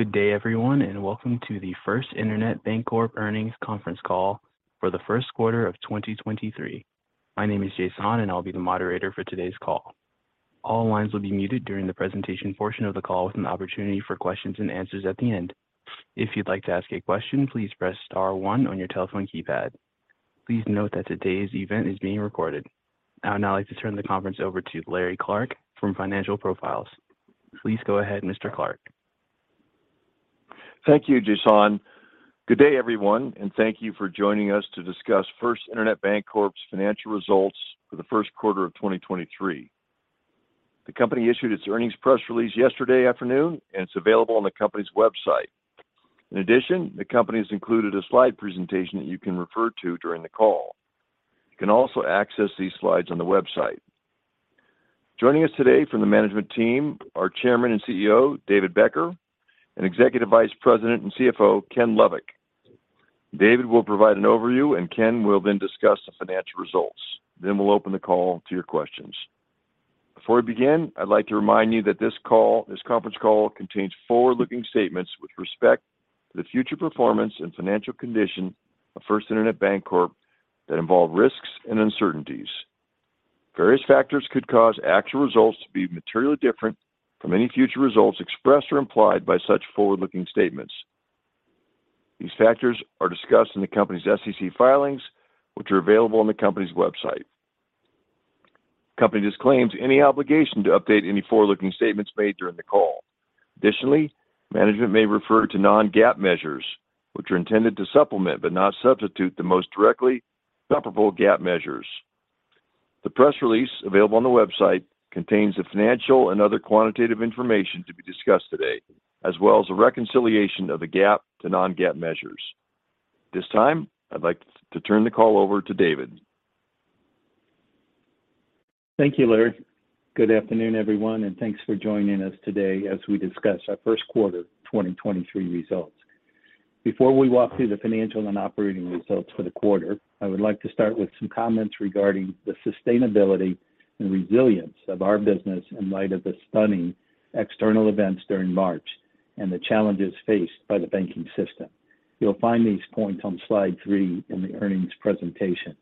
Good day, everyone. Welcome to the First Internet Bancorp Earnings Conference Call for the first quarter of 2023. My name is Jason. I'll be the moderator for today's call. All lines will be muted during the presentation portion of the call with an opportunity for questions and answers at the end. If you'd like to ask a question, please press star one on your telephone keypad. Please note that today's event is being recorded. I would now like to turn the conference over to Larry Clark from Financial Profiles. Please go ahead, Mr. Clark. Thank you, Jason. Good day, everyone, thank you for joining us to discuss First Internet Bancorp's financial results for the first quarter of 2023. The company issued its earnings press release yesterday afternoon, it's available on the company's website. In addition, the company has included a slide presentation that you can refer to during the call. You can also access these slides on the website. Joining us today from the management team, our Chairman and CEO, David Becker, and Executive Vice President and CFO, Ken Lovik. David will provide an overview, Ken will then discuss the financial results. We'll open the call to your questions. Before we begin, I'd like to remind you that this conference call contains forward-looking statements with respect to the future performance and financial condition of First Internet Bancorp that involve risks and uncertainties. Various factors could cause actual results to be materially different from any future results expressed or implied by such forward-looking statements. These factors are discussed in the company's SEC filings, which are available on the company's website. The company disclaims any obligation to update any forward-looking statements made during the call. Additionally, management may refer to non-GAAP measures, which are intended to supplement but not substitute the most directly comparable GAAP measures. The press release available on the website contains the financial and other quantitative information to be discussed today, as well as a reconciliation of the GAAP to non-GAAP measures. At this time, I'd like to turn the call over to David. Thank you, Larry. Good afternoon, everyone, and thanks for joining us today as we discuss our first quarter 2023 results. Before we walk through the financial and operating results for the quarter, I would like to start with some comments regarding the sustainability and resilience of our business in light of the stunning external events during March and the challenges faced by the banking system. You'll find these points on slide three in the earnings presentation.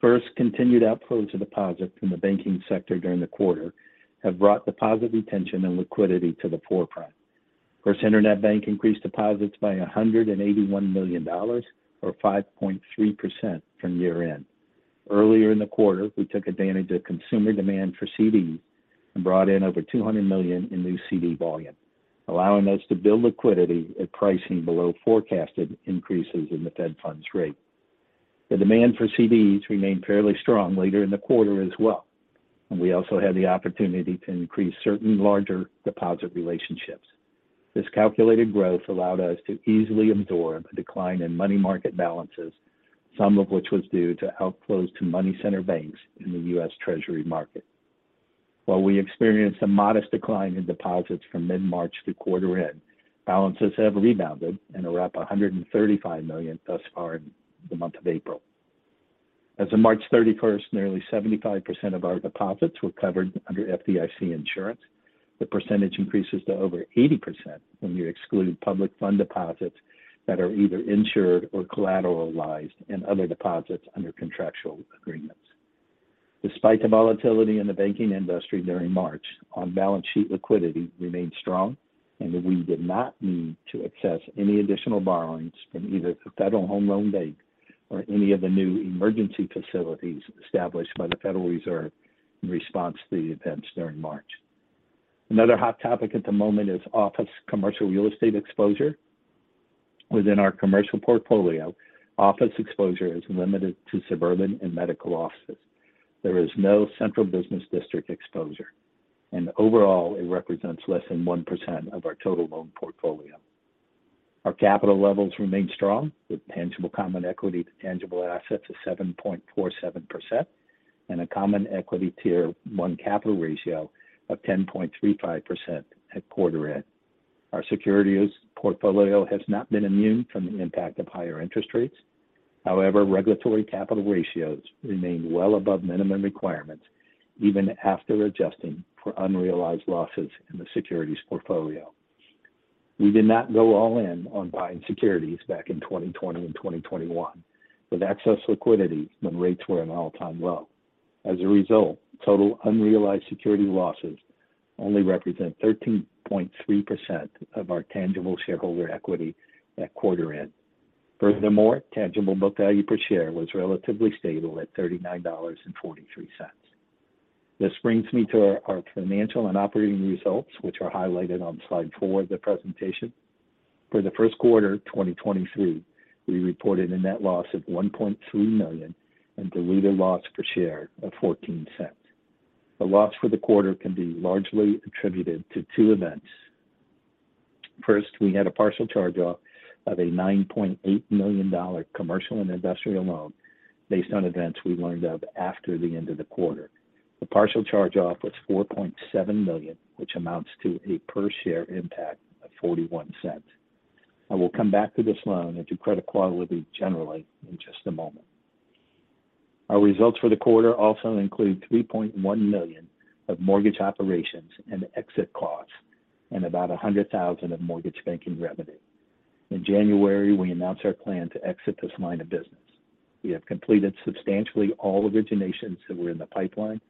First, continued outflows of deposits in the banking sector during the quarter have brought deposit retention and liquidity to the forefront. First Internet Bank increased deposits by $181 million, or 5.3% from year-end. Earlier in the quarter, we took advantage of consumer demand for CDs and brought in over $200 million in new CD volume, allowing us to build liquidity at pricing below forecasted increases in the Fed funds rate. The demand for CDs remained fairly strong later in the quarter as well. We also had the opportunity to increase certain larger deposit relationships. This calculated growth allowed us to easily absorb a decline in money market balances, some of which was due to outflows to money center banks in the U.S. Treasury market. While we experienced a modest decline in deposits from mid-March through quarter end, balances have rebounded and are up $135 million thus far in the month of April. As of March 31st, nearly 75% of our deposits were covered under FDIC insurance. The percentage increases to over 80% when you exclude public fund deposits that are either insured or collateralized and other deposits under contractual agreements. Despite the volatility in the banking industry during March, our balance sheet liquidity remained strong, and we did not need to access any additional borrowings from either the Federal Home Loan Bank or any of the new emergency facilities established by the Federal Reserve in response to the events during March. Another hot topic at the moment is office commercial real estate exposure. Within our commercial portfolio, office exposure is limited to suburban and medical offices. There is no central business district exposure. Overall, it represents less than 1% of our total loan portfolio. Our capital levels remain strong, with tangible common equity to tangible assets of 7.47% and a common equity tier one capital ratio of 10.35% at quarter end. Our securities portfolio has not been immune from the impact of higher interest rates. Regulatory capital ratios remained well above minimum requirements even after adjusting for unrealized losses in the securities portfolio. We did not go all in on buying securities back in 2020 and 2021 with excess liquidity when rates were an all-time low. Total unrealized security losses only represent 13.3% of our tangible shareholder equity at quarter end. Tangible book value per share was relatively stable at $39.43. This brings me to our financial and operating results, which are highlighted on slide four of the presentation. For the first quarter 2023, we reported a net loss of $1.3 million and diluted loss per share of $0.14. The loss for the quarter can be largely attributed to two events. First, we had a partial charge-off of a $9.8 million commercial and industrial loan based on events we learned of after the end of the quarter. The partial charge-off was $4.7 million, which amounts to a per share impact of $0.41. I will come back to this loan and to credit quality generally in just a moment. Our results for the quarter also include $3.1 million of mortgage operations and exit costs and about $100,000 of mortgage banking revenue. In January, we announced our plan to exit this line of business. We have completed substantially all originations that were in the pipeline.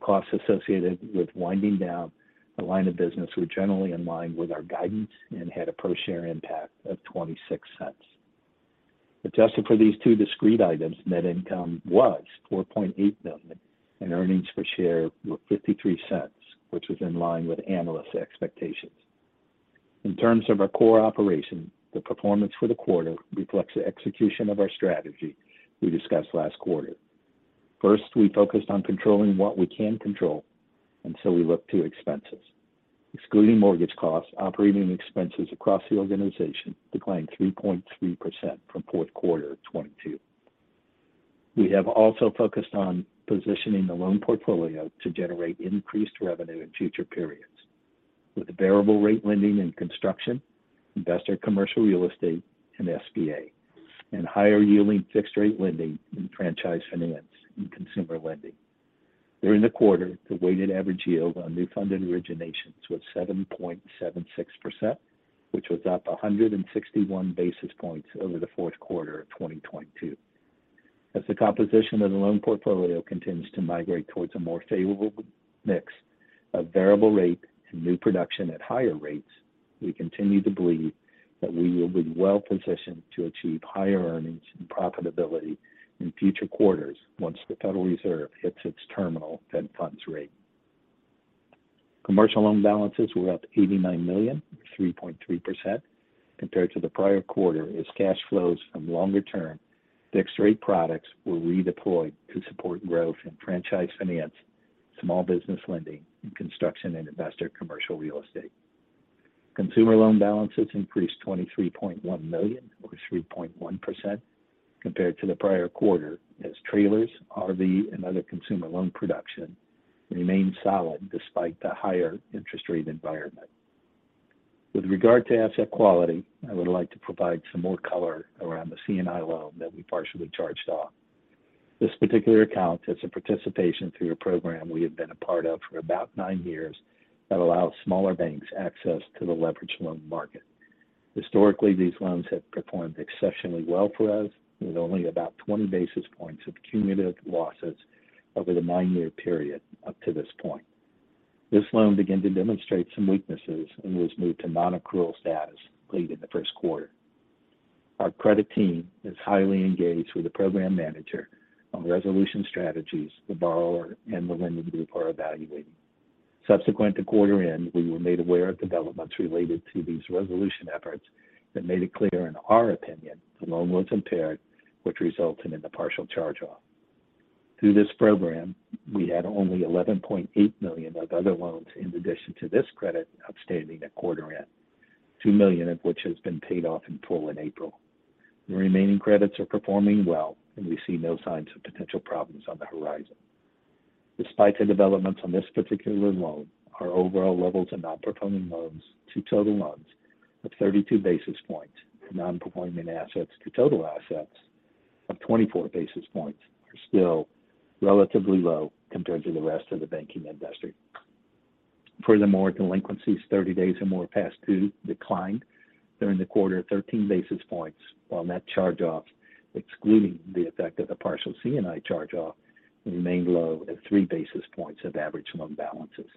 Costs associated with winding down the line of business were generally in line with our guidance and had a per share impact of $0.26. Adjusted for these two discrete items, net income was $4.8 million, and earnings per share were $0.53, which was in line with analyst expectations. In terms of our core operation, the performance for the quarter reflects the execution of our strategy we discussed last quarter. First, we focused on controlling what we can control, we look to expenses. Excluding mortgage costs, operating expenses across the organization declined 3.3% from fourth quarter of 2022. We have also focused on positioning the loan portfolio to generate increased revenue in future periods with variable rate lending and construction, investor commercial real estate and SBA, and higher yielding fixed-rate lending in franchise finance and consumer lending. During the quarter, the weighted average yield on new funded originations was 7.76%, which was up 161 basis points over the fourth quarter of 2022. As the composition of the loan portfolio continues to migrate towards a more favorable mix of variable rate and new production at higher rates, we continue to believe that we will be well positioned to achieve higher earnings and profitability in future quarters once the Federal Reserve hits its terminal fed funds rate. Commercial loan balances were up $89 million, or 3.3% compared to the prior quarter as cash flows from longer term fixed rate products were redeployed to support growth in franchise finance, small business lending, and construction and investor commercial real estate. Consumer loan balances increased $23.1 million, or 3.1% compared to the prior quarter as trailers, RV, and other consumer loan production remained solid despite the higher interest rate environment. With regard to asset quality, I would like to provide some more color around the C&I loan that we partially charged off. This particular account is a participation through a program we have been a part of for about nine years that allows smaller banks access to the leveraged loan market. Historically, these loans have performed exceptionally well for us with only about 20 basis points of cumulative losses over the nine-year period up to this point. This loan began to demonstrate some weaknesses and was moved to non-accrual status late in the first quarter. Our credit team is highly engaged with the program manager on resolution strategies the borrower and the lending group are evaluating. Subsequent to quarter end, we were made aware of developments related to these resolution efforts that made it clear, in our opinion, the loan was impaired, which resulted in the partial charge off. Through this program, we had only $11.8 million of other loans in addition to this credit outstanding at quarter end, $2 million of which has been paid off in full in April. The remaining credits are performing well, and we see no signs of potential problems on the horizon. Despite the developments on this particular loan, our overall levels of non-performing loans to total loans of 32 basis points and non-performing assets to total assets of 24 basis points are still relatively low compared to the rest of the banking industry. Furthermore, delinquencies 30 days and more past due declined during the quarter at 13 basis points, while net charge-offs, excluding the effect of the partial C&I charge off, remained low at 3 basis points of average loan balances.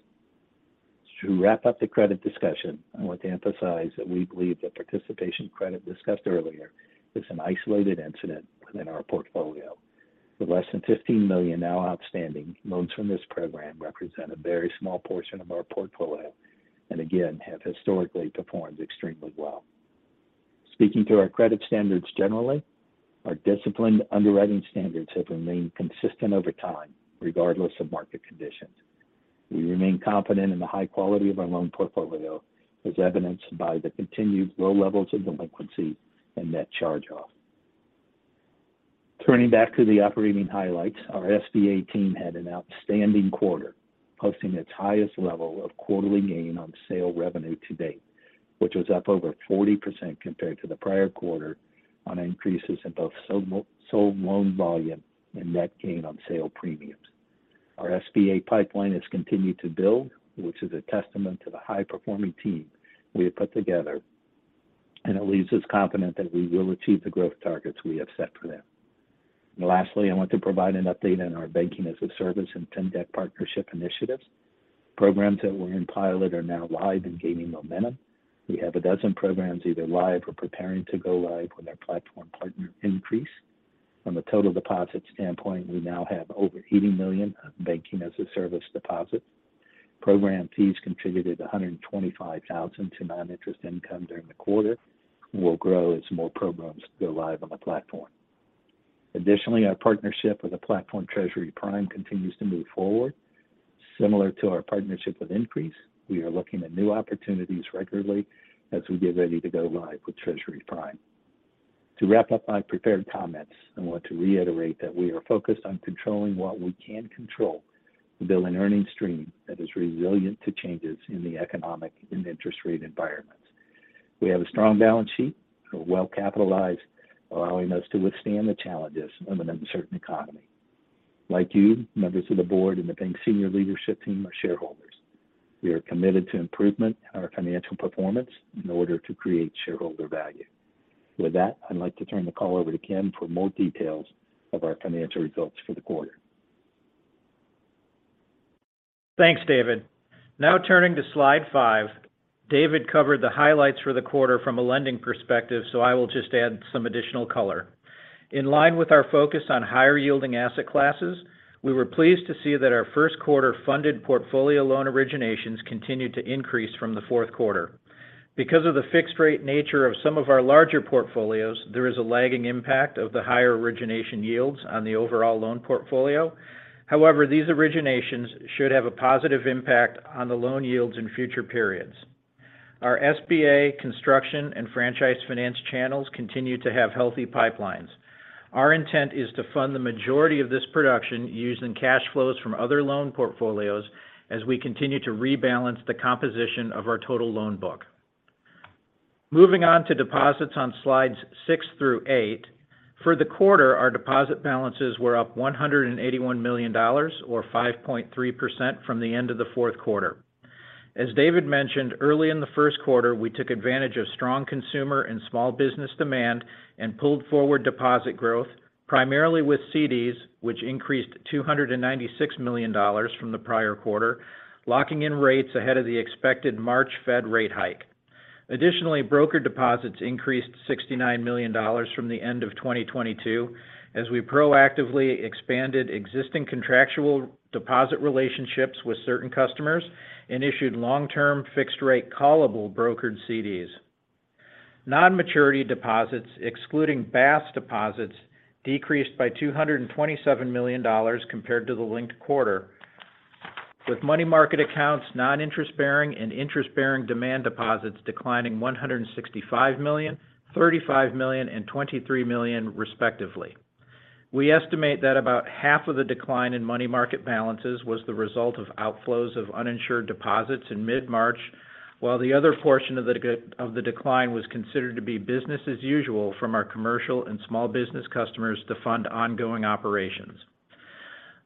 To wrap up the credit discussion, I want to emphasize that we believe the participation credit discussed earlier is an isolated incident within our portfolio. With less than $15 million now outstanding, loans from this program represent a very small portion of our portfolio and again, have historically performed extremely well. Speaking to our credit standards generally, our disciplined underwriting standards have remained consistent over time, regardless of market conditions. We remain confident in the high quality of our loan portfolio, as evidenced by the continued low levels of delinquency and net charge off. Turning back to the operating highlights, our SBA team had an outstanding quarter, posting its highest level of quarterly gain on sale revenue to date, which was up over 40% compared to the prior quarter on increases in both sold loan volume and net gain on sale premiums. Our SBA pipeline has continued to build, which is a testament to the high performing team we have put together. It leaves us confident that we will achieve the growth targets we have set for them. Lastly, I want to provide an update on our banking-as-a-service and FinTech partnership initiatives. Programs that were in pilot are now live and gaining momentum. We have a dozen programs either live or preparing to go live with our platform partner, Increase. From a total deposit standpoint, we now have over $80 million of banking-as-a-service deposits. Program fees contributed $125,000 to non-interest income during the quarter and will grow as more programs go live on the platform. Our partnership with the platform Treasury Prime continues to move forward. Similar to our partnership with Increase, we are looking at new opportunities regularly as we get ready to go live with Treasury Prime. To wrap up my prepared comments, I want to reiterate that we are focused on controlling what we can control to build an earnings stream that is resilient to changes in the economic and interest rate environments. We have a strong balance sheet and are well capitalized, allowing us to withstand the challenges of an uncertain economy. Like you, members of the board and the bank senior leadership team are shareholders. We are committed to improvement in our financial performance in order to create shareholder value. With that, I'd like to turn the call over to Ken for more details of our financial results for the quarter. Thanks, David. Turning to slide five. David covered the highlights for the quarter from a lending perspective, I will just add some additional color. In line with our focus on higher yielding asset classes, we were pleased to see that our first quarter funded portfolio loan originations continued to increase from the fourth quarter. Because of the fixed rate nature of some of our larger portfolios, there is a lagging impact of the higher origination yields on the overall loan portfolio. These originations should have a positive impact on the loan yields in future periods. Our SBA construction and franchise finance channels continue to have healthy pipelines. Our intent is to fund the majority of this production using cash flows from other loan portfolios as we continue to rebalance the composition of our total loan book. On to deposits on slides 6 through 8. For the quarter, our deposit balances were up $181 million or 5.3% from the end of the fourth quarter. As David mentioned, early in the first quarter, we took advantage of strong consumer and small business demand and pulled forward deposit growth, primarily with CDs, which increased $296 million from the prior quarter, locking in rates ahead of the expected March Fed rate hike. Broker deposits increased $69 million from the end of 2022 as we proactively expanded existing contractual deposit relationships with certain customers and issued long-term fixed-rate callable brokered CDs. Non-maturity deposits, excluding BaaS deposits, decreased by $227 million compared to the linked quarter, with money market accounts, non-interest-bearing and interest-bearing demand deposits declining $165 million, $35 million and $23 million respectively. We estimate that about half of the decline in money market balances was the result of outflows of uninsured deposits in mid-March, while the other portion of the decline was considered to be business as usual from our commercial and small business customers to fund ongoing operations.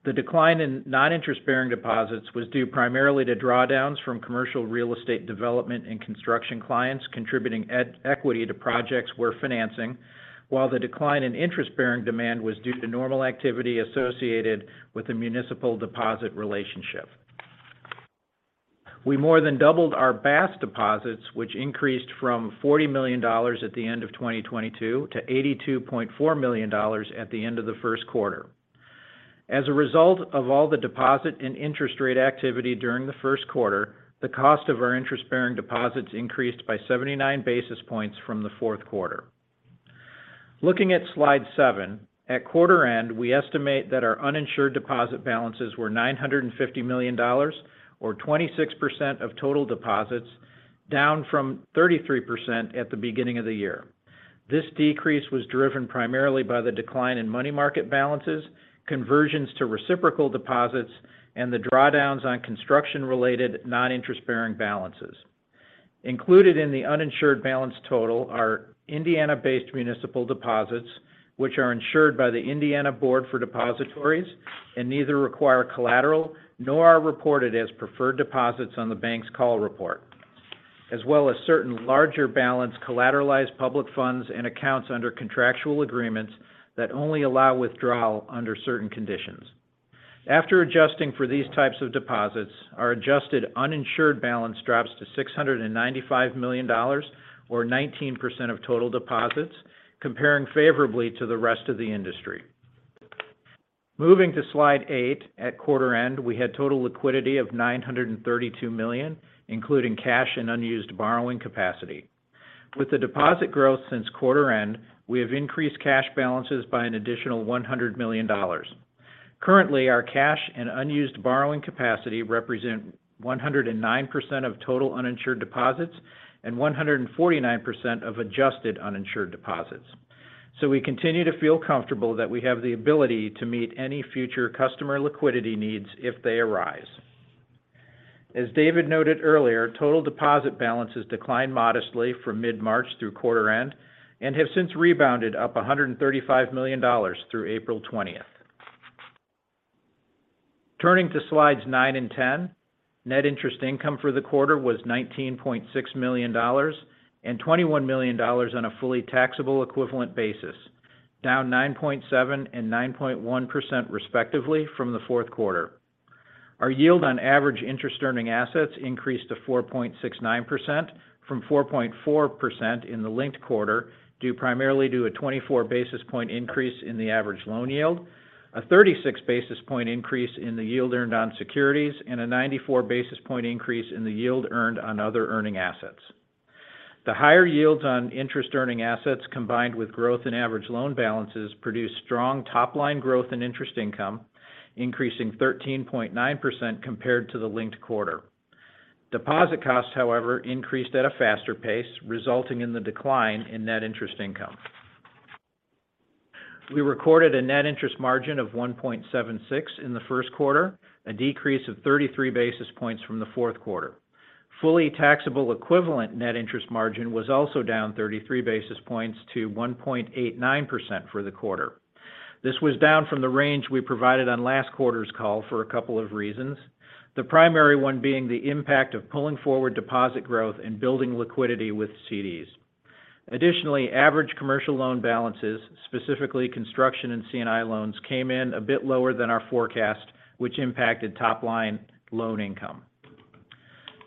The decline in non-interest-bearing deposits was due primarily to drawdowns from commercial real estate development and construction clients contributing equity to projects we're financing, while the decline in interest-bearing demand was due to normal activity associated with the municipal deposit relationship. We more than doubled our BaaS deposits, which increased from $40 million at the end of 2022 to $82.4 million at the end of the first quarter. As a result of all the deposit and interest rate activity during the first quarter, the cost of our interest-bearing deposits increased by 79 basis points from the fourth quarter. Looking at slide seven, at quarter end, we estimate that our uninsured deposit balances were $950 million or 26% of total deposits, down from 33% at the beginning of the year. This decrease was driven primarily by the decline in money market balances, conversions to reciprocal deposits, and the drawdowns on construction-related non-interest-bearing balances. Included in the uninsured balance total are Indiana-based municipal deposits, which are insured by the Indiana Board for Depositories and neither require collateral nor are reported as preferred deposits on the bank's call report, as well as certain larger balance collateralized public funds and accounts under contractual agreements that only allow withdrawal under certain conditions. After adjusting for these types of deposits, our adjusted uninsured balance drops to $695 million or 19% of total deposits, comparing favorably to the rest of the industry. Moving to slide eight, at quarter end, we had total liquidity of $932 million, including cash and unused borrowing capacity. With the deposit growth since quarter end, we have increased cash balances by an additional $100 million. Currently, our cash and unused borrowing capacity represent 109% of total uninsured deposits and 149% of adjusted uninsured deposits. We continue to feel comfortable that we have the ability to meet any future customer liquidity needs if they arise. As David noted earlier, total deposit balances declined modestly from mid-March through quarter end and have since rebounded up $135 million through April 20th. Turning to slides nine and 10, net interest income for the quarter was $19.6 million and $21 million on a fully taxable equivalent basis, down 9.7% and 9.1% respectively from the fourth quarter. Our yield on average interest earning assets increased to 4.69% from 4.4% in the linked quarter due primarily to a 24 basis point increase in the average loan yield, a 36 basis point increase in the yield earned on securities, and a 94 basis point increase in the yield earned on other earning assets. The higher yields on interest earning assets combined with growth in average loan balances produced strong top line growth in interest income, increasing 13.9% compared to the linked quarter. Deposit costs, however, increased at a faster pace, resulting in the decline in net interest income. We recorded a net interest margin of 1.76 in the first quarter, a decrease of 33 basis points from the fourth quarter. Fully taxable equivalent net interest margin was also down 33 basis points to 1.89% for the quarter. This was down from the range we provided on last quarter's call for a couple of reasons. The primary one being the impact of pulling forward deposit growth and building liquidity with CDs. Additionally, average commercial loan balances, specifically construction and C&I loans, came in a bit lower than our forecast, which impacted top line loan income.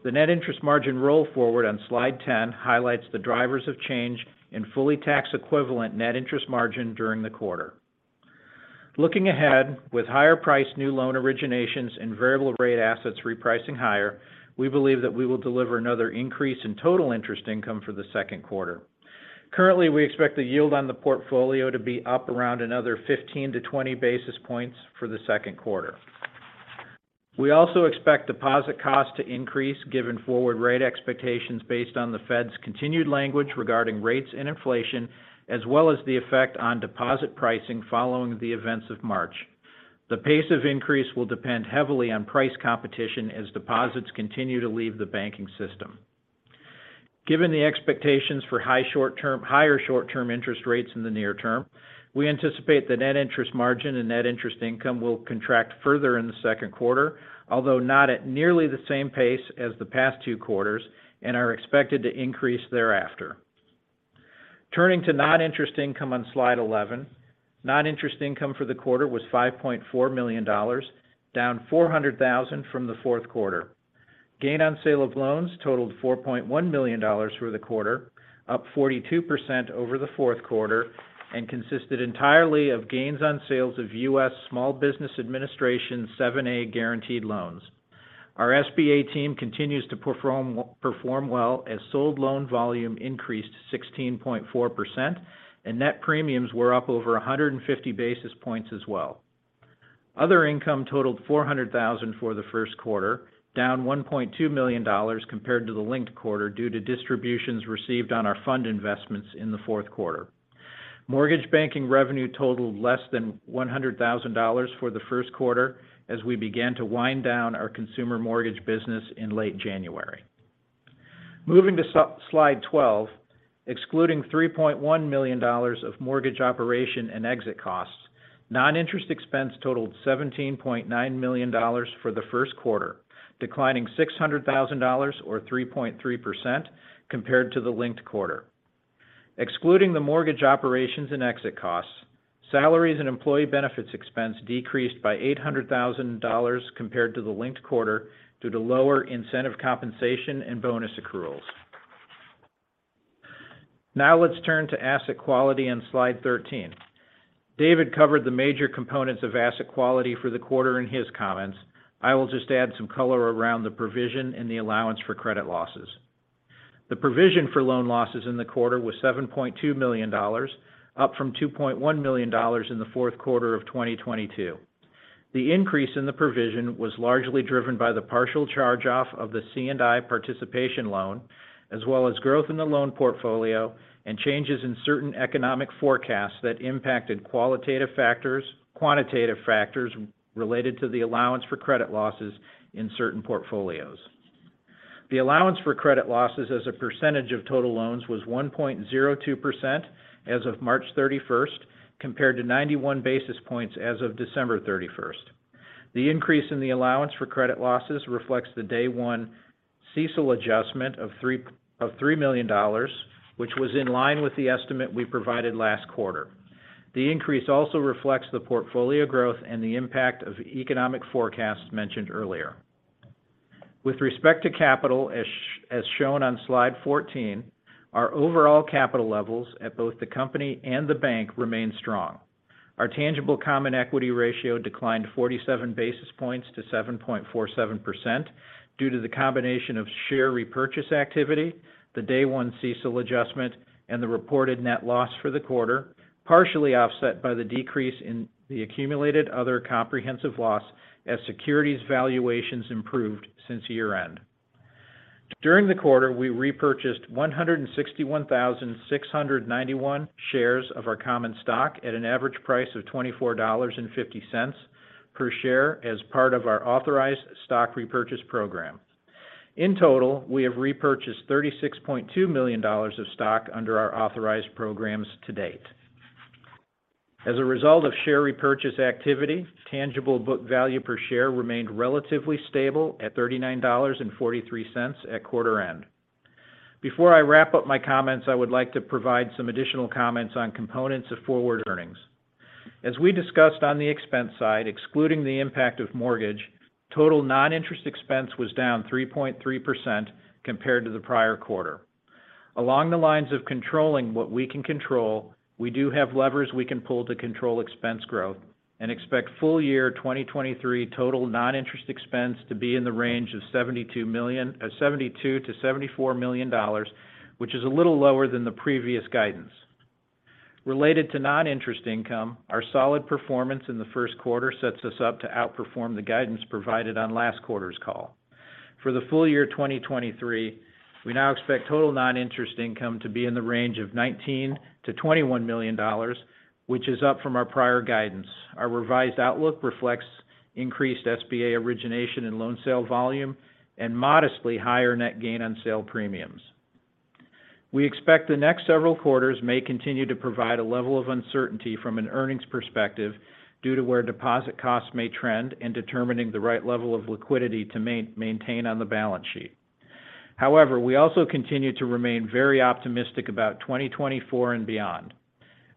The net interest margin roll forward on slide 10 highlights the drivers of change in fully tax equivalent net interest margin during the quarter. Looking ahead with higher priced new loan originations and variable rate assets repricing higher, we believe that we will deliver another increase in total interest income for the second quarter. Currently, we expect the yield on the portfolio to be up around another 15-20 basis points for the second quarter. We also expect deposit costs to increase given forward rate expectations based on the Fed's continued language regarding rates and inflation, as well as the effect on deposit pricing following the events of March. The pace of increase will depend heavily on price competition as deposits continue to leave the banking system. Given the expectations for higher short term interest rates in the near term, we anticipate the net interest margin and net interest income will contract further in the second quarter, although not at nearly the same pace as the past two quarters and are expected to increase thereafter. Turning to non-interest income on slide 11. Non-interest income for the quarter was $5.4 million, down $400,000 from the fourth quarter. Gain on sale of loans totaled $4.1 million for the quarter, up 42% over the fourth quarter and consisted entirely of gains on sales of U.S. Small Business Administration 7(a) guaranteed loans. Our SBA team continues to perform well as sold loan volume increased 16.4% and net premiums were up over 150 basis points as well. Other income totaled $400,000 for the first quarter, down $1.2 million compared to the linked quarter due to distributions received on our fund investments in the fourth quarter. Mortgage banking revenue totaled less than $100,000 for the first quarter as we began to wind down our consumer mortgage business in late January. Moving to slide 12. Excluding $3.1 million of mortgage operation and exit costs, non-interest expense totaled $17.9 million for the first quarter, declining $600,000 or 3.3% compared to the linked quarter. Excluding the mortgage operations and exit costs, salaries and employee benefits expense decreased by $800,000 compared to the linked quarter due to lower incentive compensation and bonus accruals. Let's turn to asset quality on slide 13. David covered the major components of asset quality for the quarter in his comments. I will just add some color around the provision and the allowance for credit losses. The provision for loan losses in the quarter was $7.2 million, up from $2.1 million in the fourth quarter of 2022. The increase in the provision was largely driven by the partial charge off of the C&I participation loan, as well as growth in the loan portfolio and changes in certain economic forecasts that impacted quantitative factors related to the allowance for credit losses in certain portfolios. The allowance for credit losses as a percentage of total loans was 1.02% as of March 31st, compared to 91 basis points as of December 31st. The increase in the allowance for credit losses reflects the day one CECL adjustment of $3 million, which was in line with the estimate we provided last quarter. The increase also reflects the portfolio growth and the impact of economic forecasts mentioned earlier. With respect to capital, as shown on slide 14, our overall capital levels at both the company and the bank remain strong. Our tangible common equity ratio declined 47 basis points to 7.47% due to the combination of share repurchase activity, the day one CECL adjustment, and the reported net loss for the quarter, partially offset by the decrease in the accumulated other comprehensive loss as securities valuations improved since year-end. During the quarter, we repurchased 161,691 shares of our common stock at an average price of $24.50 per share as part of our authorized stock repurchase program. In total, we have repurchased $36.2 million of stock under our authorized programs to date. As a result of share repurchase activity, tangible book value per share remained relatively stable at $39.43 at quarter end. Before I wrap up my comments, I would like to provide some additional comments on components of forward earnings. As we discussed on the expense side, excluding the impact of mortgage, total non-interest expense was down 3.3% compared to the prior quarter. Along the lines of controlling what we can control, we do have levers we can pull to control expense growth and expect full year 2023 total non-interest expense to be in the range of $72 million-$74 million, which is a little lower than the previous guidance. Related to non-interest income, our solid performance in the first quarter sets us up to outperform the guidance provided on last quarter's call. For the full year 2023, we now expect total non-interest income to be in the range of $19 million-$21 million, which is up from our prior guidance. Our revised outlook reflects increased SBA origination and loan sale volume and modestly higher net gain on sale premiums. We expect the next several quarters may continue to provide a level of uncertainty from an earnings perspective due to where deposit costs may trend in determining the right level of liquidity to maintain on the balance sheet. We also continue to remain very optimistic about 2024 and beyond.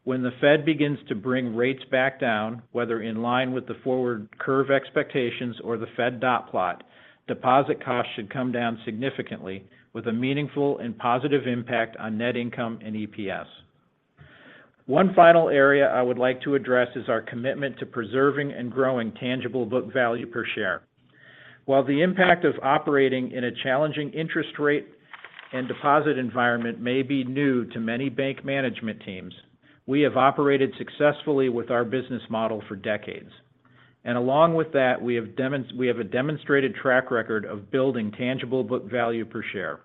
When the Fed begins to bring rates back down, whether in line with the forward curve expectations or the Fed dot plot, deposit costs should come down significantly with a meaningful and positive impact on net income and EPS. One final area I would like to address is our commitment to preserving and growing tangible book value per share. While the impact of operating in a challenging interest rate and deposit environment may be new to many bank management teams, we have operated successfully with our business model for decades. Along with that, we have a demonstrated track record of building tangible book value per share.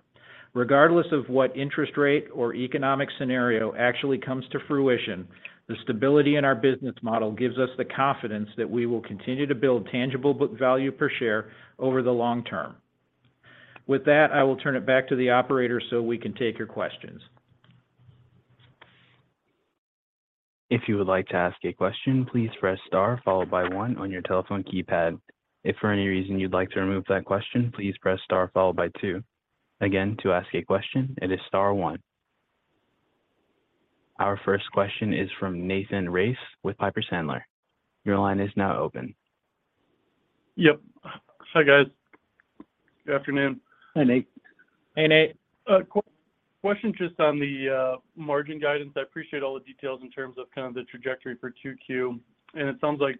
Regardless of what interest rate or economic scenario actually comes to fruition, the stability in our business model gives us the confidence that we will continue to build tangible book value per share over the long term. With that, I will turn it back to the operator so we can take your questions. If you would like to ask a question, please press star followed by one on your telephone keypad. If for any reason you'd like to remove that question, please press Star followed by two. Again, to ask a question, it is star one. Our first question is from Nathan Race with Piper Sandler. Your line is now open. Yep. Hi, guys. Good afternoon. Hi, Nate. Hey, Nate. Question just on the margin guidance. I appreciate all the details in terms of kind of the trajectory for 2Q. It sounds like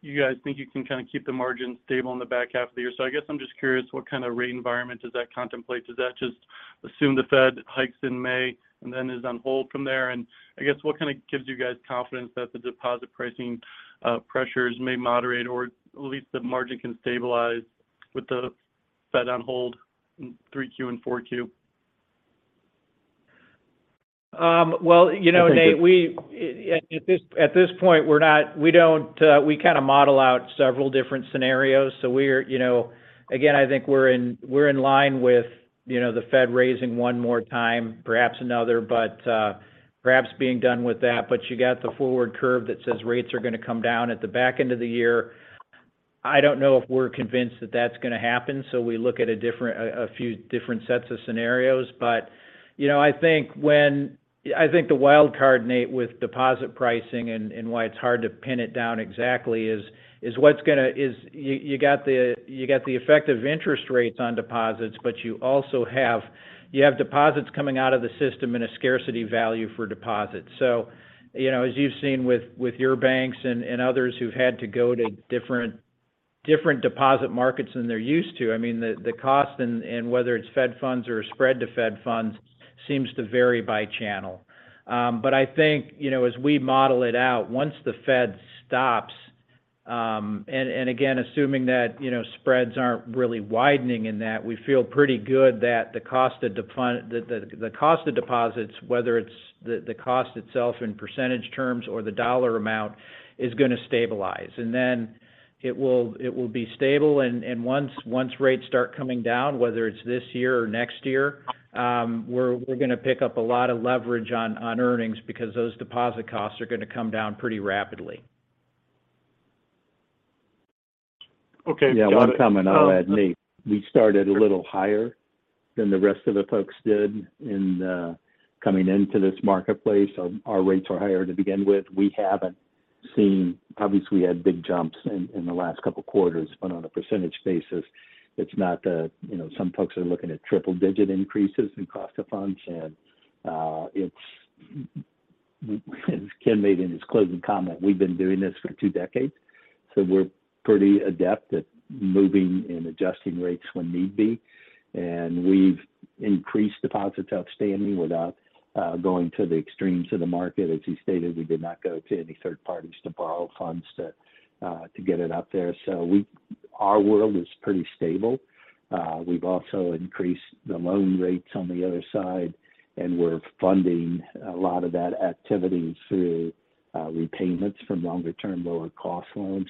you guys think you can kind of keep the margin stable in the back half of the year. I guess I'm just curious, what kind of rate environment does that contemplate? Does that just assume the Fed hikes in May and then is on hold from there? I guess what kind of gives you guys confidence that the deposit pricing pressures may moderate or at least the margin can stabilize with the Fed on hold in 3Q and 4Q? Well, you know, Nate, at this point, we don't, we kinda model out several different scenarios. We're, you know, again, I think we're in line with, you know, the Fed raising one more time, perhaps another. Perhaps being done with that. You got the forward curve that says rates are gonna come down at the back end of the year. I don't know if we're convinced that that's gonna happen, so we look at a different, a few different sets of scenarios. You know, I think the wild card, Nate, with deposit pricing and why it's hard to pin it down exactly is you got the effect of interest rates on deposits, but you also have deposits coming out of the system in a scarcity value for deposits. You know, as you've seen with your banks and others who've had to go to different deposit markets than they're used to, I mean, the cost and whether it's Fed funds or spread to Fed funds seems to vary by channel. I think, you know, as we model it out, once the Fed stops, and again, assuming that, you know, spreads aren't really widening in that, we feel pretty good that the cost of deposits, whether it's the cost itself in percentage terms or the dollar amount, is gonna stabilize. Then it will be stable. Once rates start coming down, whether it's this year or next year, we're gonna pick up a lot of leverage on earnings because those deposit costs are gonna come down pretty rapidly. Okay. Got it. Yeah, one comment I'll add, Nate. We started a little higher than the rest of the folks did in coming into this marketplace. Our rates were higher to begin with. We haven't seen. Obviously, we had big jumps in the last couple of quarters, but on a percentage basis, it's not the, you know, some folks are looking at triple-digit increases in cost of funds. It's as Ken made in his closing comment, we've been doing this for two decades, so we're pretty adept at moving and adjusting rates when need be. We've increased deposits outstanding without going to the extremes of the market. As he stated, we did not go to any third parties to borrow funds to get it up there. Our world is pretty stable. We've also increased the loan rates on the other side, we're funding a lot of that activity through repayments from longer-term, lower-cost loans.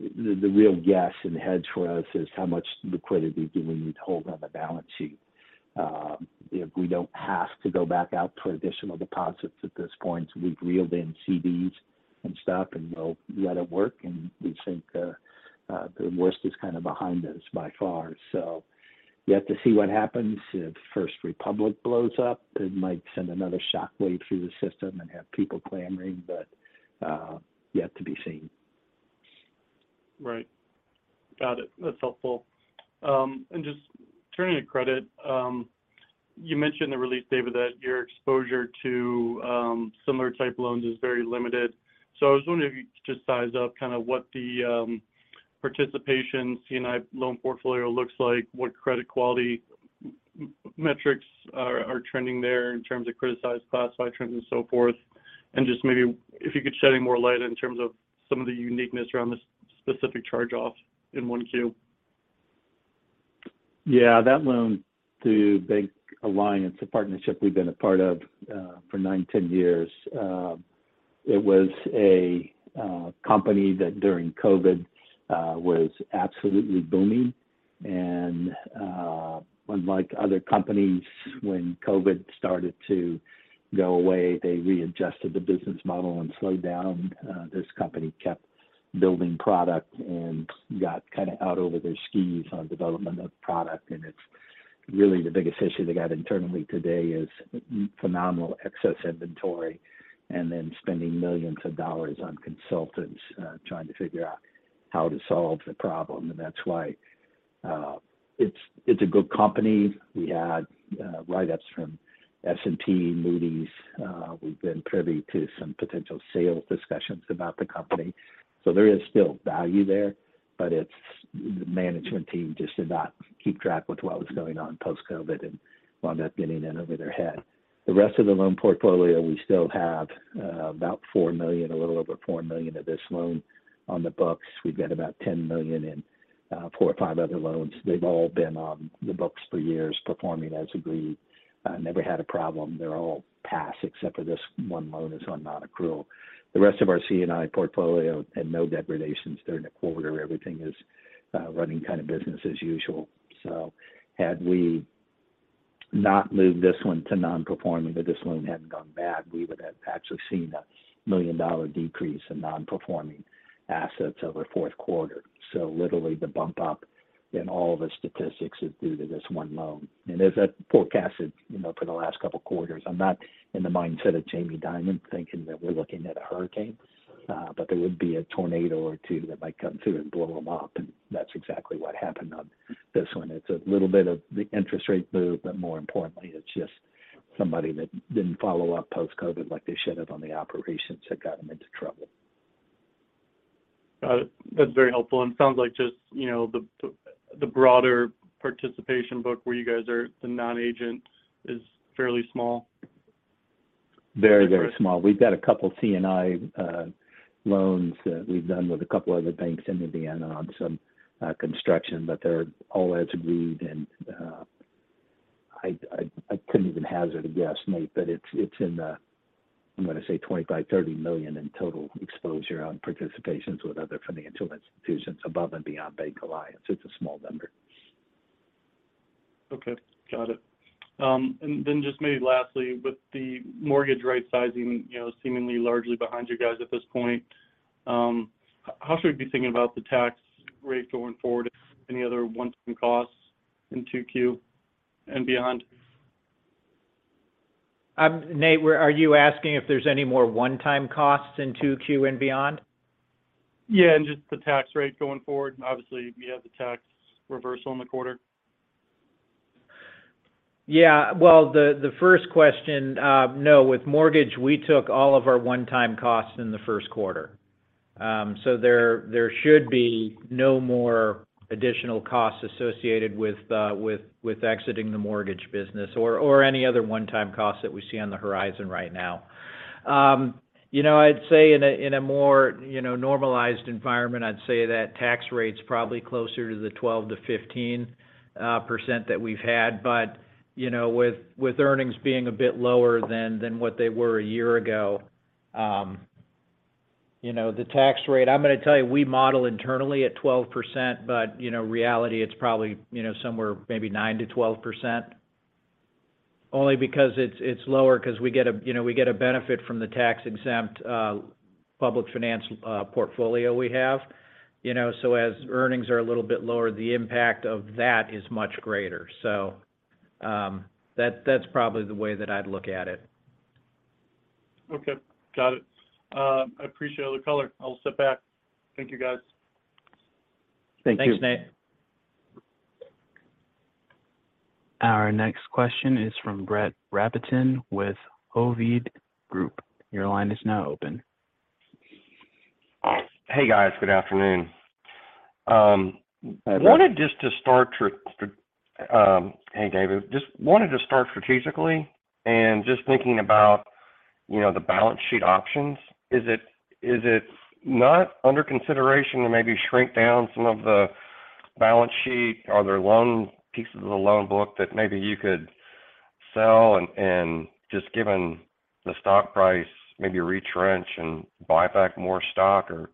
The real guess and hedge for us is how much liquidity do we need to hold on the balance sheet. You know, we don't have to go back out for additional deposits at this point. We've reeled in CDs and stuff, and we'll let it work, and we think the worst is kinda behind us by far. We have to see what happens. If First Republic blows up, it might send another shockwave through the system and have people clamoring, yet to be seen. Right. Got it. That's helpful. Just turning to credit, you mentioned in the release, David, that your exposure to similar type loans is very limited. I was wondering if you could just size up kinda what the participation C&I loan portfolio looks like, what credit quality metrics are trending there in terms of criticized classified trends and so forth. And just maybe if you could shed any more light in terms of some of the uniqueness around this specific charge-off in one Q. Yeah. That loan to BancAlliance, a partnership we've been a part of, for nine, 10 years. It was a company that during COVID, was absolutely booming. Unlike other companies when COVID started to go away, they readjusted the business model and slowed down. This company kept building product and got kind of out over their skis on development of product. It's really the biggest issue they got internally today is phenomenal excess inventory, and then spending millions of dollars on consultants, trying to figure out how to solve the problem. That's why, it's a good company. We had write-ups from S&P, Moody's. We've been privy to some potential sales discussions about the company. There is still value there, but it's. The management team just did not keep track with what was going on post-COVID and wound up getting in over their head. The rest of the loan portfolio, we still have about $4 million, a little over $4 million of this loan on the books. We've got about $10 million in four or five other loans. They've all been on the books for years, performing as agreed. Never had a problem. They're all passed except for this one loan is on nonaccrual. The rest of our C&I portfolio had no degradations during the quarter. Everything is running kind of business as usual. Had we not moved this one to nonperforming, if this loan hadn't gone bad, we would have actually seen a $1 million decrease in non-performing assets over fourth quarter. Literally, the bump up in all the statistics is due to this one loan. As I forecasted, you know, for the last couple of quarters, I'm not in the mindset of Jamie Dimon thinking that we're looking at a hurricane, but there would be a tornado or two that might come through and blow them up, and that's exactly what happened on this one. It's a little bit of the interest rate move, but more importantly, it's just somebody that didn't follow up post-COVID like they should have on the operations that got them into trouble. Got it. That's very helpful. Sounds like just, you know, the broader participation book where you guys are the non-agent is fairly small. Very, very small. We've got a couple C&I loans that we've done with a couple other banks in Indiana on some construction, but they're all as agreed. I couldn't even hazard a guess, Nate, but it's in the, I'm gonna say $25 million-$30 million in total exposure on participations with other financial institutions above and beyond BancAlliance. It's a small number. Okay. Got it. Just maybe lastly, with the mortgage rightsizing, you know, seemingly largely behind you guys at this point, how should we be thinking about the tax rate going forward? Any other one-time costs in two Q and beyond? Nate, are you asking if there's any more one-time costs in 2Q and beyond? Yeah. Just the tax rate going forward. Obviously, you have the tax reversal in the quarter. The first question, no. With mortgage, we took all of our one-time costs in the first quarter. There should be no more additional costs associated with exiting the mortgage business or any other one-time cost that we see on the horizon right now. You know, I'd say in a more, you know, normalized environment, I'd say that tax rate's probably closer to the 12%-15% that we've had. You know, with earnings being a bit lower than what they were a year ago, you know, the tax rate, I'm gonna tell you, we model internally at 12%, but, you know, reality, it's probably, you know, somewhere maybe 9%-12%. Only because it's lower because we get a, you know, we get a benefit from the tax-exempt public finance portfolio we have. You know, as earnings are a little bit lower, the impact of that is much greater. That's probably the way that I'd look at it. Okay. Got it. I appreciate all the color. I'll sit back. Thank you, guys. Thank you. Thanks, Nate. Our next question is from Brett Rabatin with Hovde Group. Your line is now open. Hey, guys. Good afternoon. wanted just to start. Hey, Brett. Hey, David. Just wanted to start strategically and just thinking about, you know, the balance sheet options. Is it not under consideration to maybe shrink down some of the balance sheet? Are there pieces of the loan book that maybe you could sell and just given the stock price, maybe retrench and buy back more stock? Or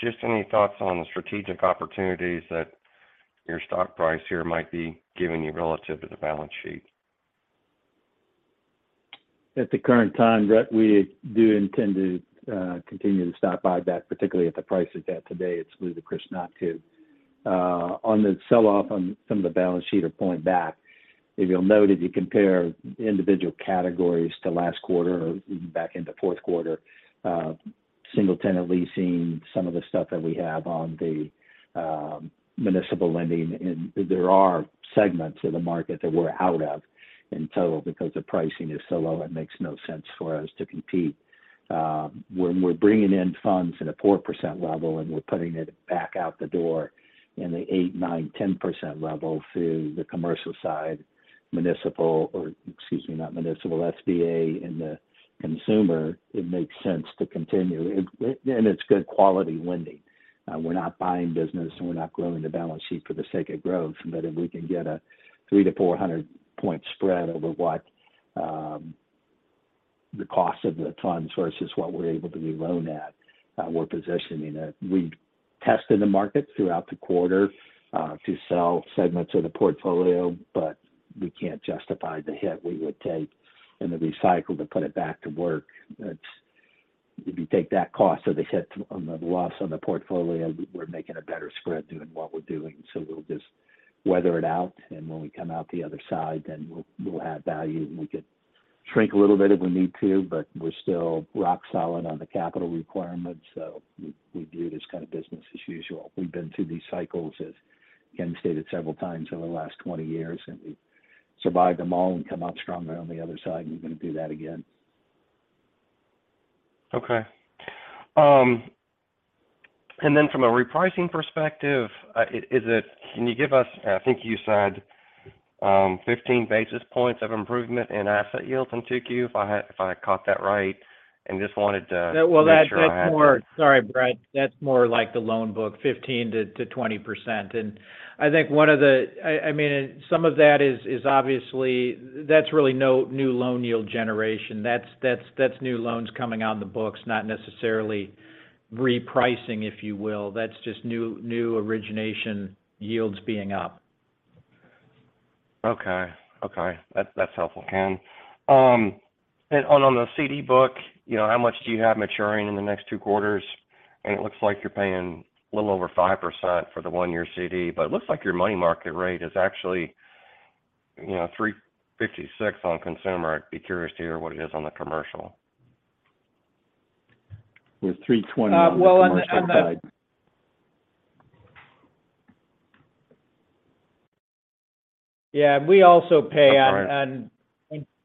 just any thoughts on the strategic opportunities that your stock price here might be giving you relative to the balance sheet? At the current time, Brett, we do intend to continue to stock buyback, particularly at the price it's at today. It's ludicrous not to. On the sell off on some of the balance sheet or pulling back, if you'll note, if you compare individual categories to last quarter or even back into fourth quarter, single tenant leasing, some of the stuff that we have on the municipal lending, there are segments of the market that we're out of in total because the pricing is so low, it makes no sense for us to compete. When we're bringing in funds at a 4% level and we're putting it back out the door in the 8%, 9%, 10% level through the commercial side or excuse me, not municipal, SBA and the consumer, it makes sense to continue. It's good quality lending. We're not buying business, and we're not growing the balance sheet for the sake of growth. If we can get a 300-400 point spread over what, the cost of the funds versus what we're able to reloan at, we're positioning it. We test in the market throughout the quarter, to sell segments of the portfolio, but we can't justify the hit we would take in the recycle to put it back to work. If you take that cost of the hit on the loss on the portfolio, we're making a better spread doing what we're doing. We'll just weather it out, and when we come out the other side, then we'll add value, and we could shrink a little bit if we need to, but we're still rock solid on the capital requirements. We view this kind of business as usual. We've been through these cycles, as Ken stated several times, over the last 20 years, and we've survived them all and come out stronger on the other side, and we're gonna do that again. Okay. From a repricing perspective, can you give us, I think you said, 15 basis points of improvement in asset yields in 2Q, if I caught that right? Just wanted to- Well, that's. make sure I had that. Sorry, Brett. That's more like the loan book, 15%-20%. I mean, some of that is obviously. That's really no new loan yield generation. That's new loans coming on the books, not necessarily repricing, if you will. That's just new origination yields being up. Okay. Okay. That's helpful, Ken. On the CD book, you know, how much do you have maturing in the next two quarters? It looks like you're paying a little over 5% for the 1-year CD. It looks like your money market rate is actually, you know, 3.56% on consumer. I'd be curious to hear what it is on the commercial. It's 3.20 on the commercial side. Well, Yeah, we also pay. All right.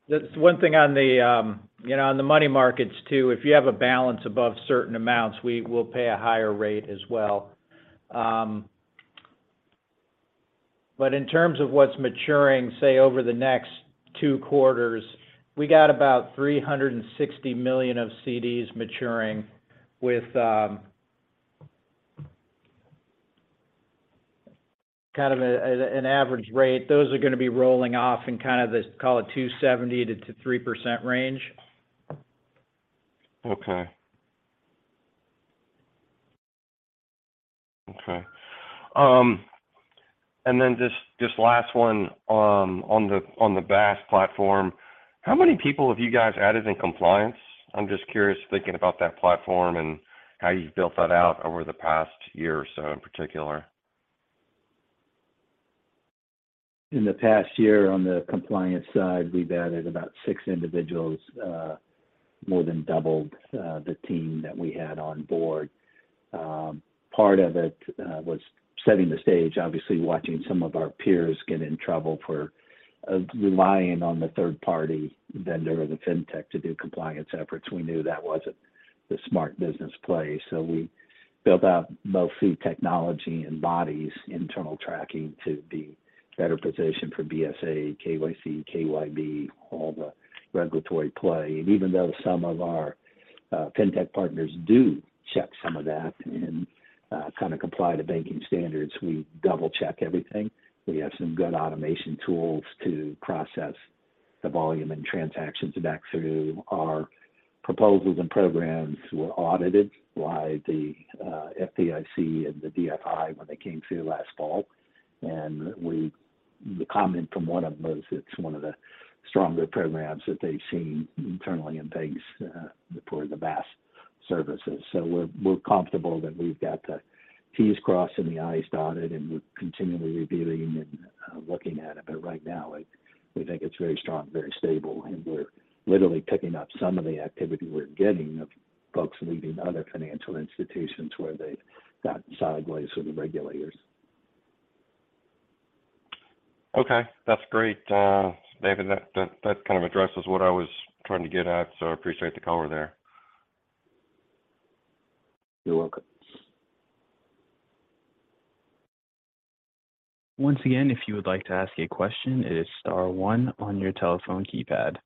That's one thing on the, you know, on the money markets too, if you have a balance above certain amounts, we will pay a higher rate as well. In terms of what's maturing, say over the next two quarters, we got about $360 million of CDs maturing with kind of an average rate. Those are gonna be rolling off in kind of the, call it 2.70%-3% range. Okay. Okay. Just last one, on the BaaS platform, how many people have you guys added in compliance? I'm just curious, thinking about that platform and how you've built that out over the past year or so in particular. In the past year on the compliance side, we've added about six individuals, more than doubled the team that we had on board. Part of it was setting the stage, obviously watching some of our peers get in trouble for relying on the third party vendor or the fintech to do compliance efforts. We knew that wasn't the smart business play, so we built out both the technology and bodies internal tracking to be better positioned for BSA, KYC, KYB, all the regulatory play. Even though some of our fintech partners do check some of that and kind of comply to banking standards, we double-check everything. We have some good automation tools to process the volume and transactions back through. Our proposals and programs were audited by the FDIC and the DFI when they came through last fall. The comment from one of them was it's one of the stronger programs that they've seen internally in banks, for the BaaS services. We're comfortable that we've got the T's crossed and the I's dotted, and we're continually reviewing and looking at it. Right now, we think it's very strong, very stable, and we're literally picking up some of the activity we're getting of folks leaving other financial institutions where they've gotten sideways with the regulators. Okay, that's great, David. That kind of addresses what I was trying to get at, so appreciate the color there. You're welcome. Once again, if you would like to ask a question, it is star one on your telephone keypad.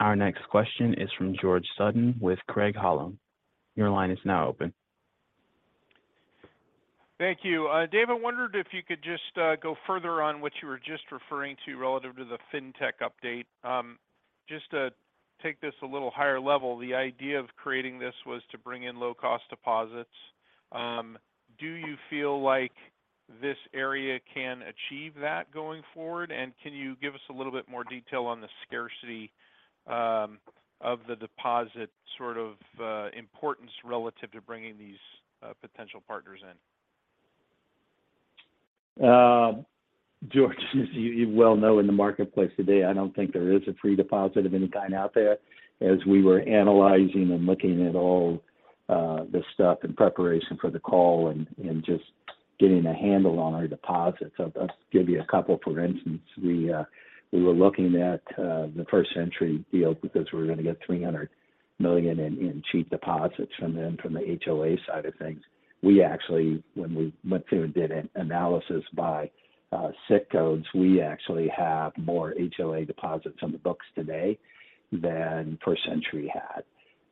Our next question is from George Sutton with Craig-Hallum. Your line is now open. Thank you. Dave, I wondered if you could just go further on what you were just referring to relative to the Fintech update. Just to take this a little higher level, the idea of creating this was to bring in low-cost deposits. Do you feel like this area can achieve that going forward? Can you give us a little bit more detail on the scarcity of the deposit sort of importance relative to bringing these potential partners in? George, as you well know in the marketplace today, I don't think there is a free deposit of any kind out there. As we were analyzing and looking at all the stuff in preparation for the call and just getting a handle on our deposits. I'll give you a couple. For instance, we were looking at the First Century deal because we were gonna get $300 million in cheap deposits from them from the HOA side of things. We actually when we went through and did an analysis by zip codes, we actually have more HOA deposits on the books today than First Century had.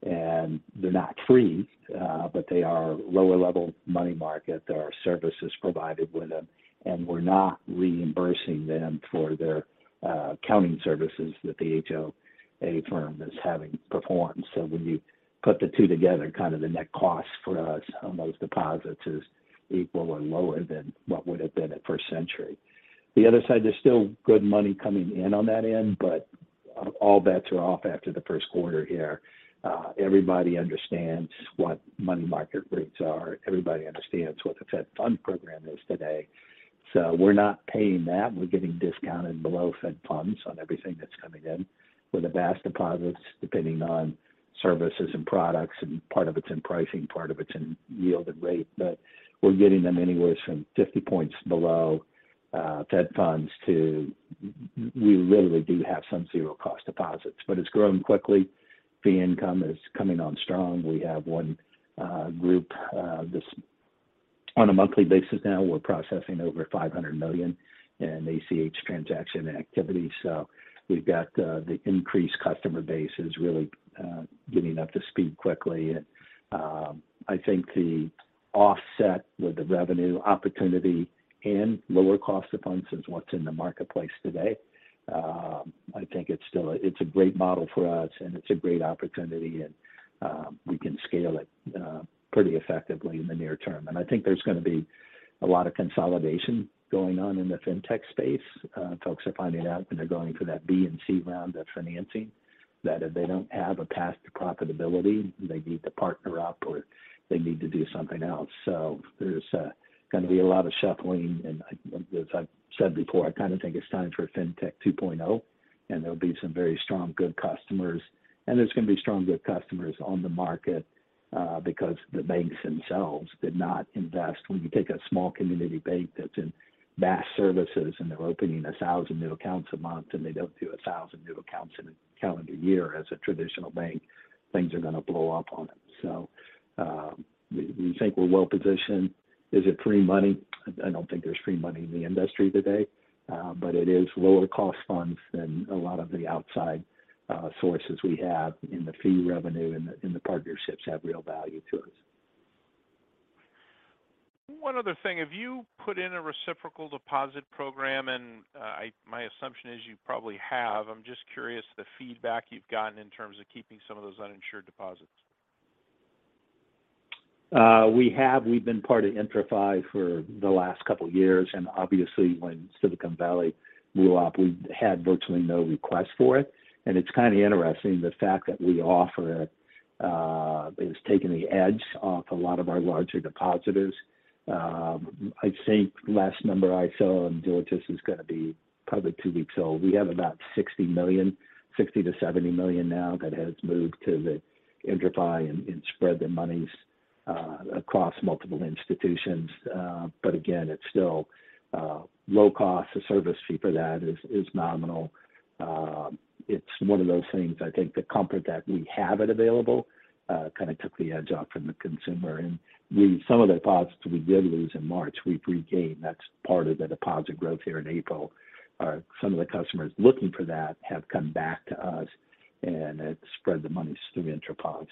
They're not free, but they are lower level money market. There are services provided with them, and we're not reimbursing them for their accounting services that the HOA firm is having performed. When you put the two together, kind of the net cost for us on those deposits is equal or lower than what would have been at First Century. The other side, there's still good money coming in on that end, all bets are off after the first quarter here. Everybody understands what money market rates are. Everybody understands what the Fed Fund program is today. We're not paying that. We're getting discounted below Fed Funds on everything that's coming in. With the BaaS deposits, depending on services and products, and part of it's in pricing, part of it's in yield and rate, we're getting them anywhere from 50 points below Fed Funds to we literally do have some zero cost deposits. It's growing quickly. Fee income is coming on strong. We have one group that's on a monthly basis now, we're processing over $500 million in ACH transaction activity. We've got the increased customer base is really getting up to speed quickly. I think the offset with the revenue opportunity and lower cost of funds is what's in the marketplace today. I think it's still a great model for us, and it's a great opportunity, and we can scale it pretty effectively in the near term. I think there's gonna be a lot of consolidation going on in the fintech space. Folks are finding out when they're going for that B&C round of financing that if they don't have a path to profitability, they need to partner up or they need to do something else. There's gonna be a lot of shuffling. As I've said before, I kind of think it's time for Fintech 2.0. There'll be some very strong good customers. There's going to be strong good customers on the market because the banks themselves did not invest. When you take a small community bank that's in BaaS services and they're opening 1,000 new accounts a month, and they don't do 1,000 new accounts in a calendar year as a traditional bank, things are going to blow up on them. We think we're well positioned. Is it free money? I don't think there's free money in the industry today, but it is lower cost funds than a lot of the outside sources we have, and the fee revenue and the partnerships have real value to us. One other thing. Have you put in a reciprocal deposit program? My assumption is you probably have. I'm just curious the feedback you've gotten in terms of keeping some of those uninsured deposits. We have. We've been part of IntraFi for the last couple years. Obviously when Silicon Valley blew up, we had virtually no request for it. It's kind of interesting, the fact that we offer it has taken the edge off a lot of our larger depositors. I think last number I saw, Dilip, this is gonna be probably two weeks old. We have about $60 million, $60 million-$70 million now that has moved to the IntraFi and spread their monies across multiple institutions. Again, it's still low cost. The service fee for that is nominal. It's one of those things, I think the comfort that we have it available kind of took the edge off from the consumer. Some of the deposits we did lose in March, we've regained. That's part of the deposit growth here in April. Some of the customers looking for that have come back to us and have spread the monies through IntraFi.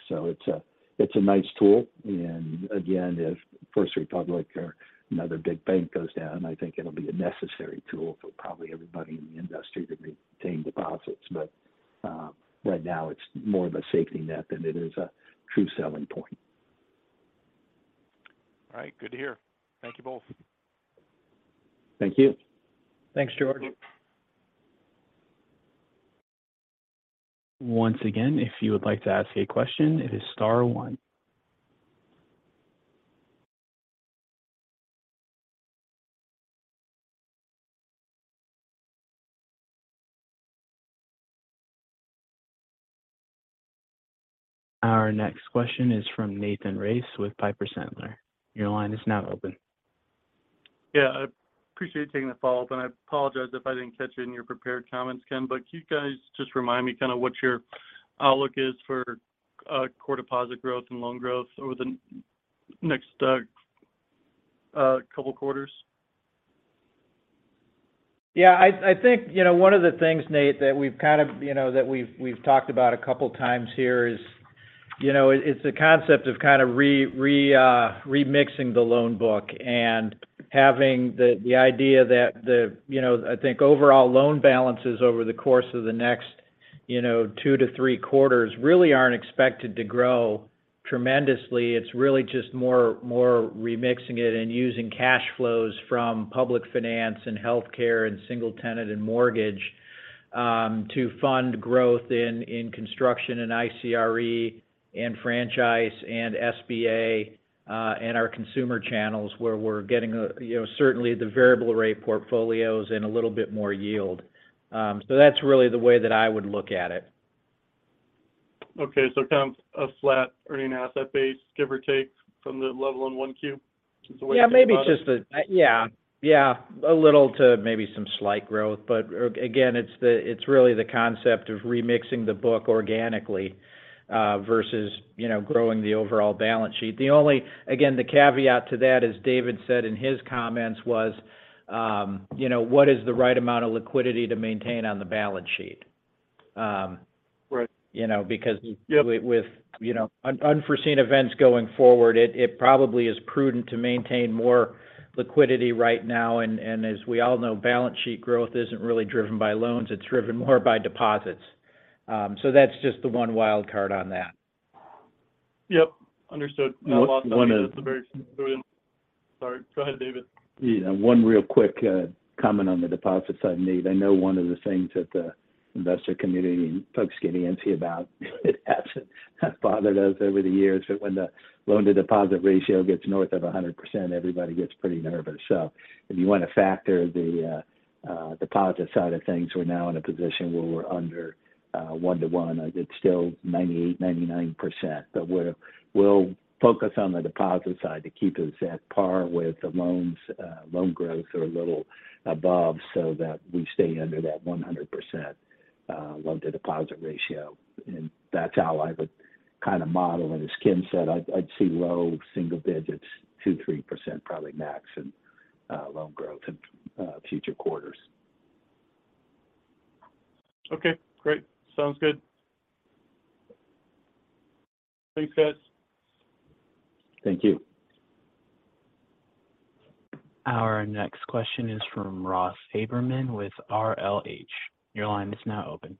It's a nice tool. Again, if First Republic or another big bank goes down, I think it'll be a necessary tool for probably everybody in the industry to retain deposits. Right now it's more of a safety net than it is a true selling point. All right. Good to hear. Thank you both. Thank you. Thanks, George. Once again, if you would like to ask a question, it is star one. Our next question is from Nathan Race with Piper Sandler. Your line is now open. Yeah, I appreciate you taking the follow-up, and I apologize if I didn't catch it in your prepared comments, Ken, but can you guys just remind me kind of what your outlook is for core deposit growth and loan growth over the next couple quarters? Yeah. I think, you know, one of the things, Nate, that we've kind of, you know, that we've talked about a couple times here is, you know, it's a concept of kind of remixing the loan book and having the idea that, you know, I think overall loan balances over the course of the next, you know, two to three quarters really aren't expected to grow tremendously. It's really just more remixing it and using cash flows from public finance and healthcare and single tenant and mortgage, to fund growth in construction and ICRE and franchise and SBA, and our consumer channels where we're getting, you know, certainly the variable rate portfolios and a little bit more yield. That's really the way that I would look at it. Okay. kind of a flat earning asset base, give or take from the level in one Q is the way. Maybe just a little to maybe some slight growth. Again, it's really the concept of remixing the book organically versus, you know, growing the overall balance sheet. Again, the caveat to that, as David said in his comments was, you know, what is the right amount of liquidity to maintain on the balance sheet? Right. You know. Yeah with, you know, unforeseen events going forward, it probably is prudent to maintain more liquidity right now. As we all know, balance sheet growth isn't really driven by loans, it's driven more by deposits. That's just the one wild card on that. Yep. Understood. Go ahead. Sorry. Go ahead, David. Yeah. One real quick comment on the deposit side, Nate. I know one of the things that the investor community folks get antsy about, it has bothered us over the years. When the loan to deposit ratio gets north of 100%, everybody gets pretty nervous. If you want to factor the deposit side of things, we're now in a position where we're under one-to-one. It's still 98%, 99%. We'll focus on the deposit side to keep us at par with the loans. Loan growth are a little above so that we stay under that 100% loan to deposit ratio. That's how I would kind of model it. As Ken said, I'd see low single digits, 2%, 3% probably max in loan growth in future quarters. Okay. Great. Sounds good. Thanks, guys. Thank you. Our next question is from Ross Haberman with RLH. Your line is now open.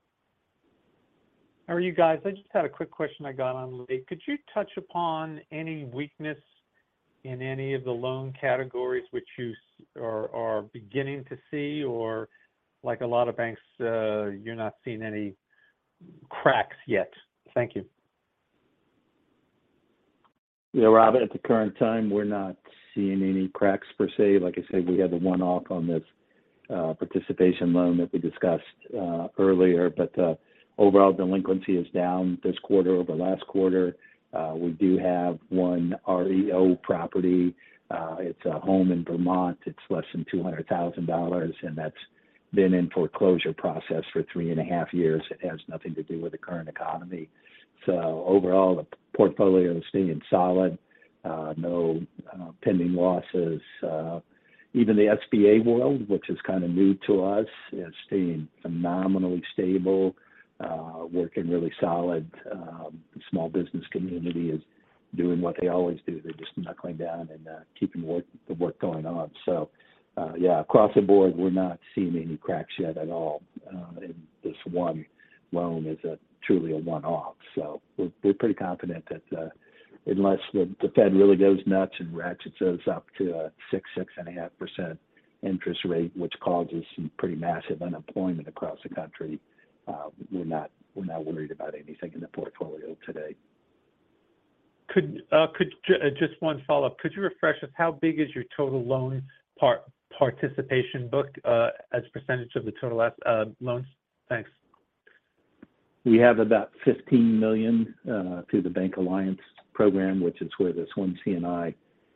How are you guys? I just had a quick question I got on late. Could you touch upon any weakness in any of the loan categories which you or are beginning to see or, like a lot of banks, you're not seeing any cracks yet? Thank you. Yeah, Robert. At the current time, we're not seeing any cracks per se. Like I said, we had the one-off on this participation loan that we discussed earlier. Overall delinquency is down this quarter over last quarter. We do have one REO property. It's a home in Vermont. It's less than $200,000, and that's been in foreclosure process for three and a half years. It has nothing to do with the current economy. Overall, the portfolio is staying solid. No pending losses. Even the SBA world, which is kind of new to us, is staying phenomenally stable, working really solid. Small business community is doing what they always do. They're just knuckling down and keeping the work going on. Yeah, across the board, we're not seeing any cracks yet at all. This one loan is a truly a one-off. We're pretty confident that, unless the Fed really goes nuts and ratchets those up to a 6.5% interest rate, which causes some pretty massive unemployment across the country, we're not, we're not worried about anything in the portfolio today. Could just one follow-up? Could you refresh us how big is your total loan part-participation book as a % of the total loans? Thanks. We have about $15 million through the BancAlliance program, which is where this one C&I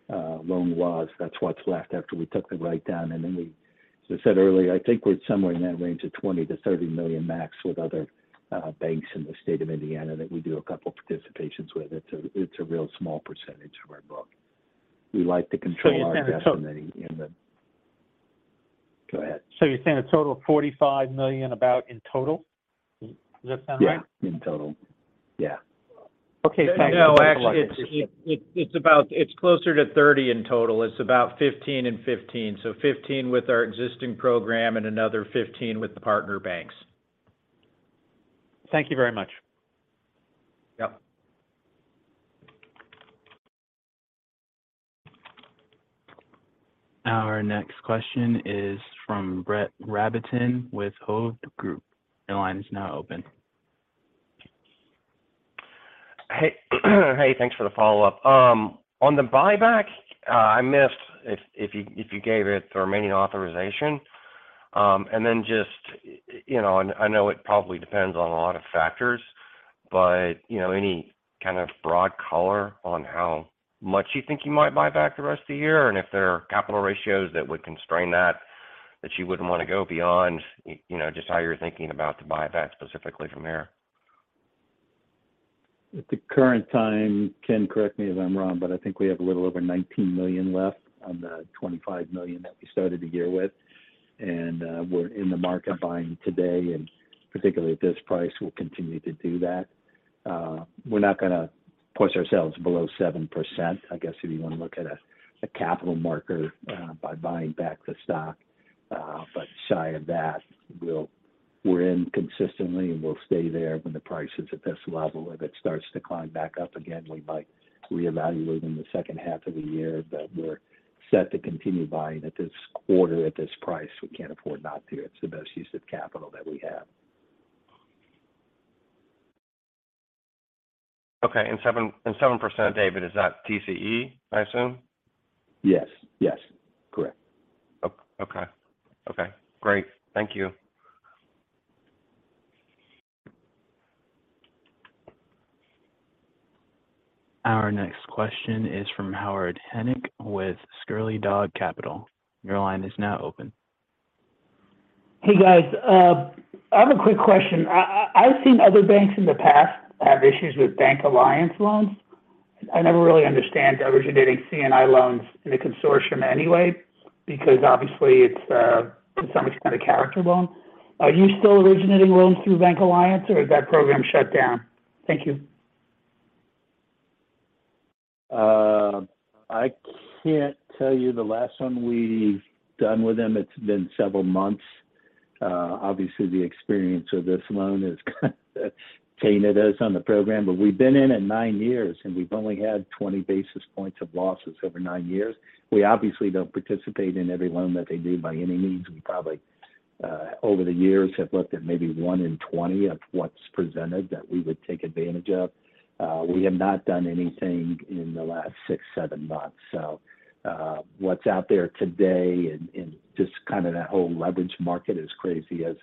loan was. That's what's left after we took the write down. As I said earlier, I think we're somewhere in that range of $20 million-$30 million max with other banks in the state of Indiana that we do a couple participations with. It's a real small percentage of our book. We like to control our destiny in the. you're saying a total- Go ahead. You're saying a total of $45 million about in total? Does that sound right? Yeah. In total, yeah. Okay. Thank you. Actually, it's closer to 30 in total. It's about 15 and 15, so 15 with our existing program and another 15 with the partner banks. Thank you very much. Yep. Our next question is from Brett Rabatin with Hovde Group. Your line is now open. Hey. Hey, thanks for the follow-up. On the buyback, I missed if you gave it the remaining authorization. Just, you know, and I know it probably depends on a lot of factors, but, you know, any kind of broad color on how much you think you might buy back the rest of the year and if there are capital ratios that would constrain that you wouldn't wanna go beyond, you know, just how you're thinking about the buyback specifically from here? At the current time, Ken, correct me if I'm wrong, but I think we have a little over $19 million left on the $25 million that we started the year with. We're in the market buying today, and particularly at this price, we'll continue to do that. We're not gonna push ourselves below 7%, I guess, if you wanna look at a capital marker, by buying back the stock. Shy of that we're in consistently, and we'll stay there when the price is at this level. If it starts to climb back up again, we might reevaluate in the second half of the year. We're set to continue buying at this quarter at this price. We can't afford not to. It's the best use of capital that we have. Okay. 7%, David, is that TCE, I assume? Yes. Yes, correct. Okay. Okay, great. Thank you. Our next question is from Howard Henick with Scurry Dog Capital. Your line is now open. Hey, guys. I've seen other banks in the past have issues with BancAlliance loans. I never really understand originating C&I loans in a consortium anyway, because obviously it's to some extent, a character loan. Are you still originating loans through BancAlliance or is that program shut down? Thank you. I can't tell you the last one we've done with them. It's been several months. obviously the experience of this loan has kind of tainted us on the program. we've been in it nine years and we've only had 20 basis points of losses over nine years. We obviously don't participate in every loan that they do by any means. We probably, over the years have looked at maybe one in 20 of what's presented that we would take advantage of. we have not done anything in the last six, seven months. What's out there today and just kind of that whole leverage market is crazy as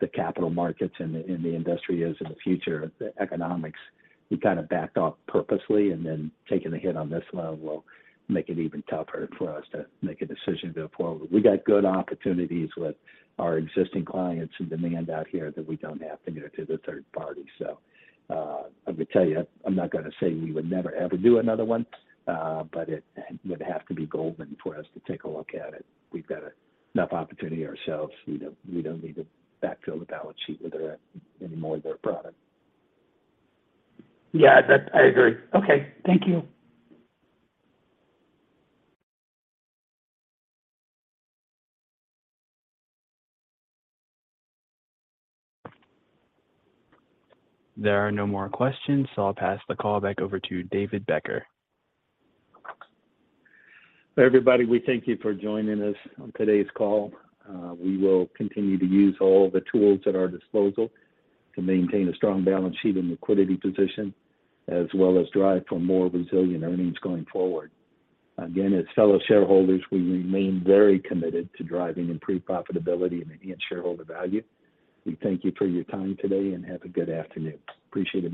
the capital markets and the industry is in the future, the economics, we kind of backed off purposely and then taking the hit on this loan will make it even tougher for us to make a decision to go forward. We got good opportunities with our existing clients and demand out here that we don't have to go to the third party. I would tell you, I'm not gonna say we would never ever do another one, but it would have to be golden for us to take a look at it. We've got enough opportunity ourselves. We don't, we don't need to backfill the balance sheet with any more of their product. Yeah, that. I agree. Okay. Thank you. There are no more questions, I'll pass the call back over to David Becker. Everybody, we thank you for joining us on today's call. We will continue to use all the tools at our disposal to maintain a strong balance sheet and liquidity position, as well as drive for more resilient earnings going forward. Again, as fellow shareholders, we remain very committed to driving improved profitability and enhanced shareholder value. We thank you for your time today, and have a good afternoon. Appreciate it.